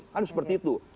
kan seperti itu